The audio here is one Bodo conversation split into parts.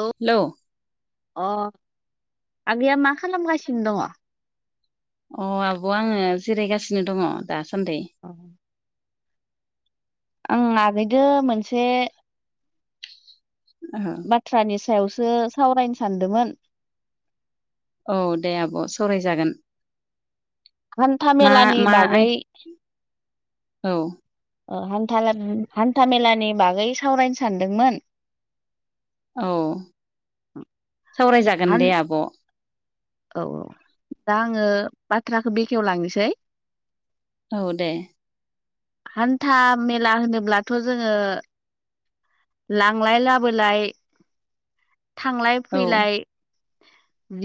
औ हेलौ अ आगैया मा खालामगासिनो दङ? अ आब' आङो जिरायगासिनो दङ दासान्दि अ ओं आगैजों मोनसे औ बाथ्रानि सायावसो सावरायनो सानदोंमोन औ दे आब' सावरायजागोन हान्था मा मेलानि मा आइ बागै औ ओ हान्था हान्था मेलानि बागै सावरायनो सानदोंमोन औ सावरायजागोन हान दे आब' औ औ दा आङो बाथ्राखौ बेखेव लांनोसै औ दे हान्था मेला होनोब्लाथ' जोङो लांलाय लाबोलाय थांलाय औ फैलाय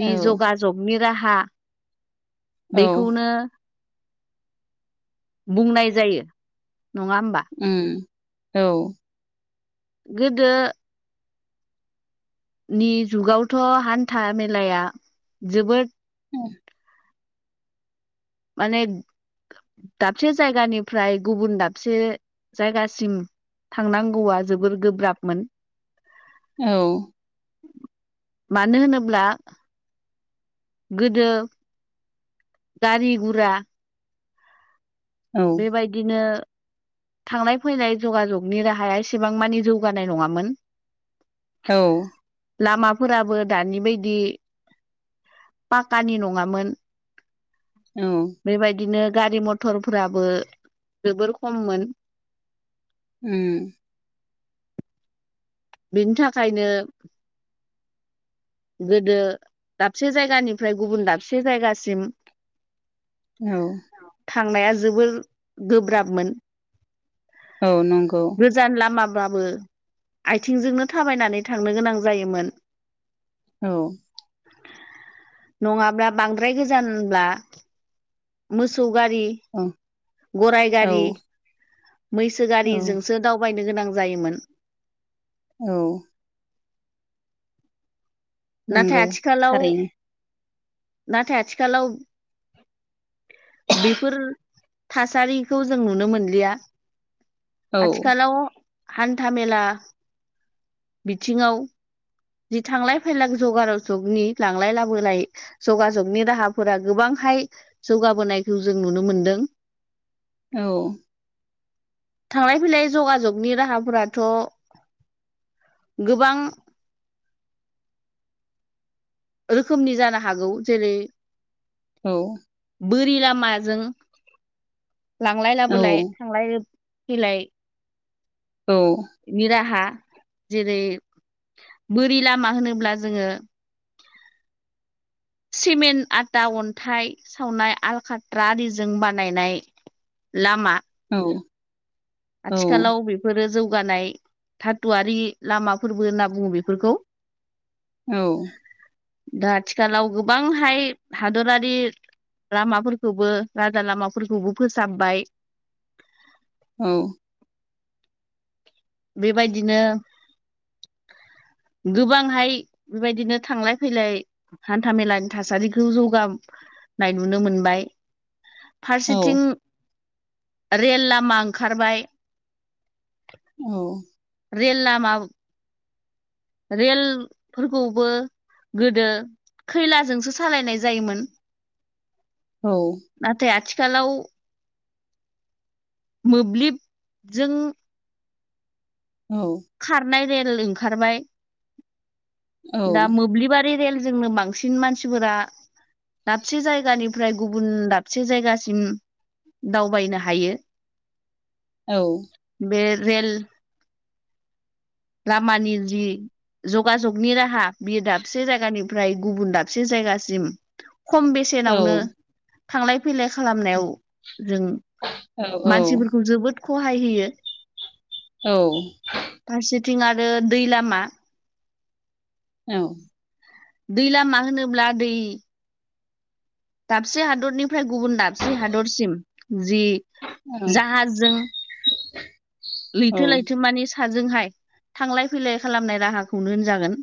औ जगाजगनि राहा औ बेखौनो बुंनाय जायो नङा होमबा ओम औ गोदो नि जुगावथ' हान्था मेलाया जोबोद ओम माने दाबसे जायगानिफ्राय गुबुन दाबसे जायगासिम थांनांगौआ जोबोर गोब्राबमोन औ मानो होनोब्ला गोदो गारि गुरा औ बेबायदिनो थांलाय फैनाय जगाजगनि राहाया एसेबां मानि जौगानाय नङामोन औ लामाफोराबो दानि बायदि पाकानि नङामोन औ बेबायदिनो गारि मथरफ्राबो जोबोर खममोन ओम बिनि थाखायनो गोदो दाबसे जायगानिफ्राय गुबुन दाबसे जायगासिम [inaudible] औ थांनाया जोबोर गोब्राबमोन औ नंगौ गोजान लामाबाबो आयथिंजोंनो थाबायनानै थांनो गोनां जायोमोन औ नङाब्ला बांद्राय गोजानब्ला मोसौ गारि औ गराय औ गारि मैसो औ गारिजोंसो दावबायनो गोनां जायोमोन औ नाथाय नंगौ आथिखालाव थारैनो नाथाय आथिखालाव बेफोर थासारिखौ जों नुनो मोनलिया औ आथिखालाव हान्था मेला बिथिङाव जि थांलाय फैलाग जगार'जगनि लांलाय लाबोलाय जगा जगनि राहाफोरा गोबांहाय जौगाबोनायखौ जों नुनो मोनदों औ थांलाय फैलाय जगाजगनि राहाफोराथ' गोबां रोखोमनि जानो हागौ जेरै औ बोरि लामाजों लांलाय औ लाबोलाय थांलाय फैलाय औ नि राहा जेरै बोरि लामा होनोब्ला जोङो सिमेन्ट आटा अन्थाइ सावनाय आलकाट्रा आरिजों बानायनाय लामा औ आथिखालाव बेफोरो जौगानाय धाथुवरि लामाफोरबो होनना बुङो बेफोरखौ औ दा आथिखालाव गोबांहाय हादरारि लामाफोरखौबो राजा लामाफोरखौबो फोसाबबाय औ बेबायदिनो गोबांहाय बेबायदिनो थांलाय फैलाय हान्था मेलानि थासारिखौ जौगानाय नुनो मोनबाय औ फारसेथिं रेल लामा ओंखारबाय औ रेल लामा रेलफोरखौबो गोदो खैलाजोंसो सालायनाय जायोमोन औ नाथाय आथिखालाव मोब्लिबजों औ खारनाय रेल ओंखारबाय औ दा मोब्लिबा रेलजोंनो बांसिन मानसिफोरा दाबसे जायगानिफ्राय गुबुन दाबसे जायगासिम दावबायनो हायो औ बेे रेल लामानि जि जगाजगनि राहा बियो दाबसे जायगानि फ्राय गुबुन दाबसे जायगासिम खम औ बेसेनावनो थांलाय फैलाय खालामनायाव जों मानसिफोरखौ जोबोद खहाय होयो। औ फारसेथिं आरो दै लामा औ दै लामा होनोब्ला दै दाबसे हादरनिफ्राय गुबुन दाबसे हादरसिम जि औ जाहाजजों लैथो लैथोमानि साजोंहाय थांलाय फैलाय खालामनाय राहाखौनो होनजागोन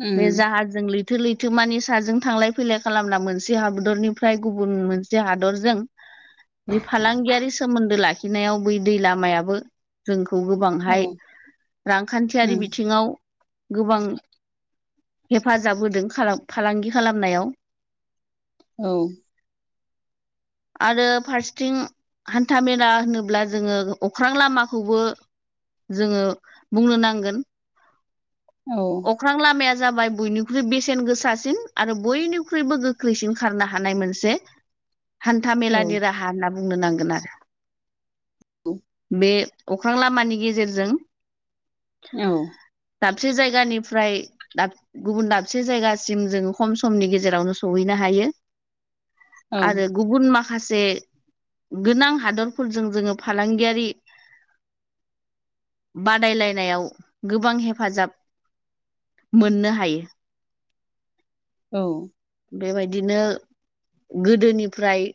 उम बे जाहाज जों लैथो लैथोमानि साजों थांलाय फैलाय खालामना मोनसे हादरनिफ्राय गुबुन मोनसे हादरजों जि फालांगियारि सोमोन्दो लाखिनायाव बै दै लामायाबो जोंखौ गोबांहाय औ रांखान्थियारि उम बिथिङाव गोबां हेफाजाब होदों फालांगि खालामनायाव। औ आरो फारसेथिं हान्था मेला होनोब्ला जोङो अख्रां लामाखौबो जोङो बुंनो नांगोन। औ अख्रां लामाया जाबाय बयनिख्रुइ बेसेन गोसासिन आरो बयनिख्रुइबो गोख्रैसिन खारनो हानाय मोनसे [inaudible] हान्था औ मेलानि राहा होनना बुंनो नांगोन आरो बे अख्रां लामानि गेजेरजों औ दाबसे जायगानिफ्राय दा गुबुन दाबसे जायगासिम जोङो खम समनि गेजेरावनो सहैनो हायो। आरो गुबुन माखासे गोनां हादरफोरजों जोङो फालांगियारि बादायलायनायाव गोबां हेफाजाब मोननो हायो। औ बेबायदिनो गोदोनिफ्राय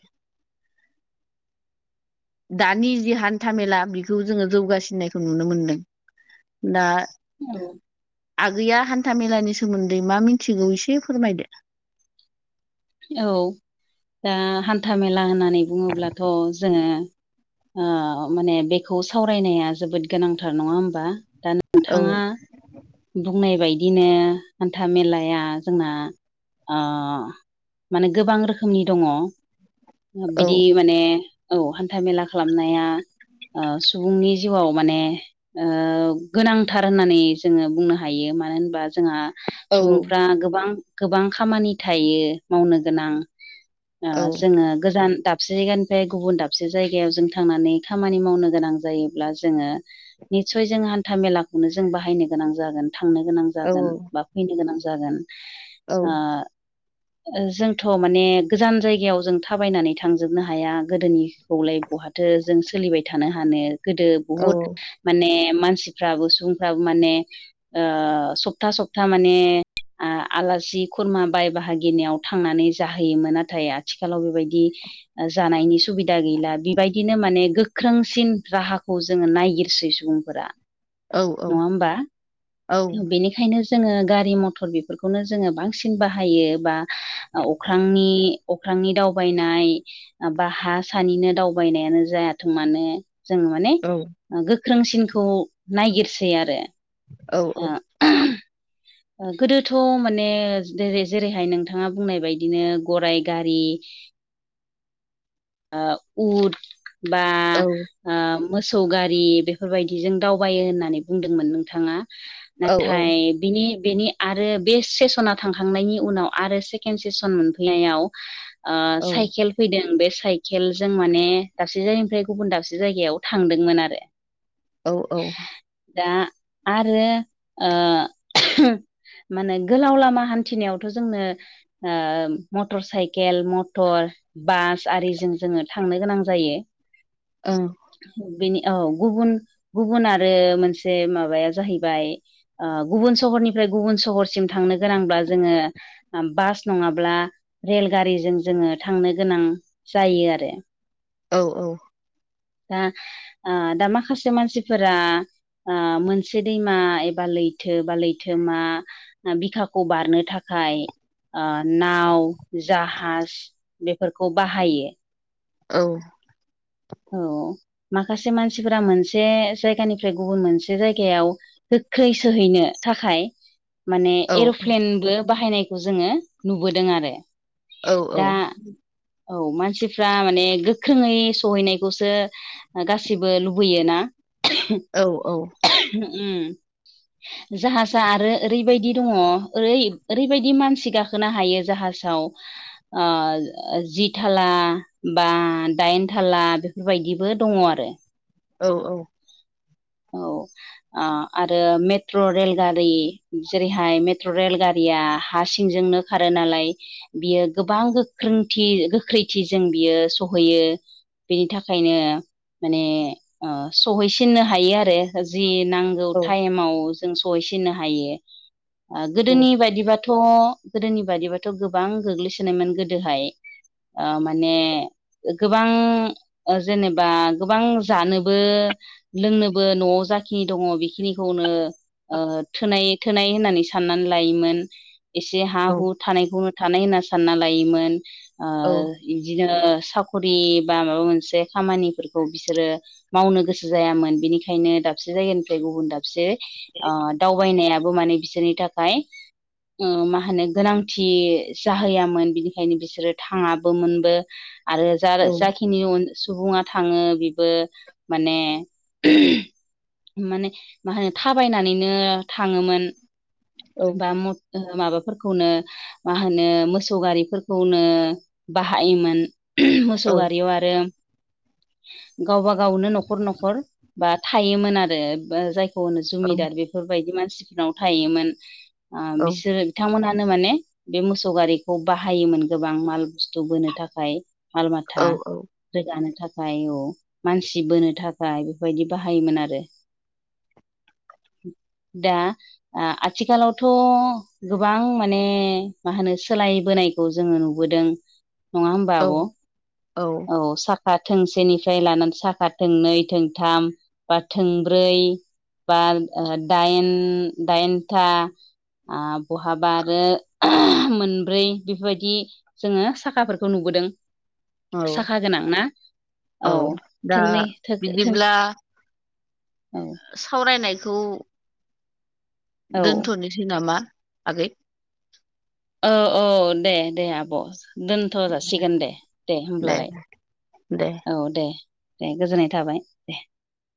दानि जि हान्थामेला बेखौ जोङो जौगासिननायखौ नुनो मोनदों। दा औ आगैया हान्था मेलानि सोमोन्दै मा मिथिगौ एसे फोरमायदो। औ दा हान्था मेला होननानै बुङोब्लाथ' जोङो ओ माने बेखौ सावरायनाया जोबोद गोनांथार नङा होमबा दा औ नोंथाङा बुंनाय बायदिनो हान्था मेलाया जोंना ओ माने गोबां रोखोमनि दङ औ बिदि माने औ हान्था मेला खालामनाया ओ सुबुंनि जिउआव माने ओ गोनांथार होननानै जोङो बुंनो हायो मानो होनबा जोंहा औ सुबुंफ्रा गोबां गोबां खामानि थायो मावनो गोनां। ओ जोङो गोजान दाब दाबसे जायगानिफ्राय गुबुन दाबसे जायगायाव जों थांनानै खामानि मावनो गोनां जायोब्ला जोङो निसय जों हान्था मेलाखौनो जों बाहायनो गोनां जागोन थांनो गोनां औ जागोन बा फैनो गोनां जागोन औ ओ जोंथ' माने गोजान जायगायाव जों थाबायनानै थांजोबनो हाया गोदोनि खौलाय बहाथो जों सोलिबाय थानो हानो गोदो औ बहुद माने मानसिफ्राबो सुबुंफ्राबो माने ओ सप्ता सप्ता माने ओ आलासि खुरमा बाय बाहागि गिनायाव थांनानै जाहोयोमोन नाथाय आथिखालाव बेबायदि जानायनि सुबिदा गैला बेबायदिनो माने गोख्रोंसिन राहाखौ जोङो नायगिरसै सुबुंफोरा औ नङा होमबा औ बेनिखायनो जोङो गारि मथर बेफोरखौनो जोङो बांसिन बाहायो बा अख्रांनि अख्रांनि दावबायनाय बा हा सानिनो दावबायनायानो जायाथों मानो जोङो माने औ गोख्रोंसिनखौ नायगिरसै आरो औ औ। [inaudible] ओ गोदोथ' माने जेरैहाय नोंथाङा बुंनाय बायदिनो गराय गारि ओ उद बा औ ओ मोसौ गारि बेफोरबायदिजों दावबायो होननानै बुंदोंमोन नोंथाङा। औ नाथाय बिनि बेनि आरो बे सेसना थांखांनायनि उनाव आरो सेकेणड सेसन मोनफैनायाव [inaudible] ओ साइकेल फैदों बे स खेल जों माने दाबसे जायगानिफ्राय गुबुन दाबसे जायगायाव थांदोंमोन आरो औ औ दा आरो ओ माने गोलाव लामा हान्थिनायावथ' जोंनो ओ मटर साइकेल मटर बास आरिजों जोङो थांनो गोनां जायो ओ बेनि औ गुबुन गुबुन आरो मोनसे माबाया जाहैबाय गुबुन सहरनिफ्राय गुबुन सहरसिम थांनो गोनांब्ला जोङो बास नङाब्ला रेलगारिजों जोङो थांनो गोनां जायो आरो औ औ दा ओ दा माखासे मानसिफोरा ओ मोनसे दैमा एबा लैथो बा लैथो मा बिखाखौ बारनो थाखाय नाव जाहाज बेफोरखौ बाहायो औ औ माखासे मानसिफोरा मोनसे जायगानिफ्राय गुबुन मोनसे जायगायाव गोख्रै सोहैनो थाखाय माने औ एर'प्लेनबो बाहायनायखौ जोङो नुबोदों आरो औ दा औ मानसिफ्रा माने गोख्रोङै सहैनाय खौसो गासिबो लुबैयोना औ औ उम जाहाजा आरो ओरैबायदि दङ ओरै ओरैबायदि मानसि गाखो खोनो हायो जाहाजाव ओ जि थाला बा दाइन थाला बेबायदिबो दङ आरो औ औ औ ओ आरो मेट्र' रेलगारि जेरैहाय मेट्र' रेलगारिया हा सिंजोंनो खारो नालाय बियो गोबां गोख्रोंथि गोख्रैथिजों बियो सहैयो बेनि थाखायनो माने ओ सहैसिननो हायो आरो जि नांगौ टाइमाव जों सहैसिननो हायो ओ गोदोनि बायदिबा थ' गोदोनि बादिबाथ' गोबां गोग्लैसोनायमोन गोदोहाय। आ माने गोबां जेनेबा गोबां जानोबो लोंनोबो न'आव जाखिनि दङ बेखिनिखौनो थोनाय थोनाय होननानै साननानै लायोमोन एसे हा हु थानायखौनो थानाय होनना सानना लायोमोन ओ औ बिदिनो साखरि बा माबा मोनसे खामानिफोरखौ बिसोरो मावनो गोसो जायामोन बिनि थाखायनो दाबसे जायगानिफ्राय गुबुन दाबसे दावबायनायाबो माने बिसोरनि थाखाय मा होनो गोनांथि जाहैयामोन बिनिखायनो बिसोरो थाङाबोमोनबो आरो जा जाखिनि सुबुङा थाङो बेबो माने माने मा होनो थाबायनानैनो थाङोमोन बा माबाफोरखौनो मा होनो मोसौ गारिफोरखौनो बाहायोमोन मोसौ गारियाव आरो गावबा गावनो न'खर न'खर बा थायोमोन आरो जायखौ होनो जुमिदार बेफोरबायदि मानसिफोरनाव थायोमोन आ बिसोर बिथांमोनानो माने बे मोसौ गारिखौ बाहायोमोन गोबां माल बुस्थु बोनो थाखाय मालमाथा रोगानो थाखाय औ मानसि बोनो थाखाय बेफोरबायदि बाहायोमोन आरो दा आथिखालावथ' गोबां माने मा होनो सोलायबोनाय खौ जोङो नुबोदों। नङा होमबा आब' औ साखा थोंसेनिफ्राय लानानै साखा थोंनै थोंथाम बा थोंब्रै बा दाइन दाइनथा आ बहाबा आरो मोनब्रै बेफोरबायदि जोङो साखाफोरखौ नुबोदों। औ साखा गोनां ना औ थोंनै थो थों अब्ला औ सावरायनायखौ औ दोनथ'नोसै नामा आगै औ औ दे दे आब' दोनथ' जासिगोन दे दे होमब्लालाय दे औ दे दे गोजोननाय थाबाय दे